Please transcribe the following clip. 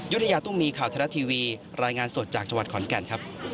ยุธยาตุ้มีข่าวไทยรัฐทีวีรายงานสดจากจังหวัดขอนแก่นครับ